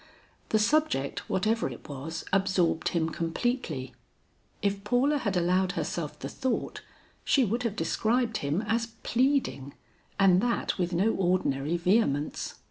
The subject whatever it was, absorbed him completely. If Paula had allowed herself the thought, she would have described him as pleading and that with no ordinary vehemence.